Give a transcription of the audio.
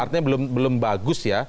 artinya belum bagus ya